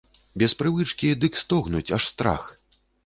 Без прывычкі, дык стогнуць, аж страх!